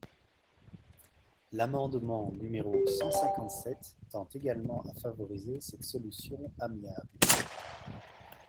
L’amendement numéro cent cinquante-sept tend également à favoriser cette solution amiable.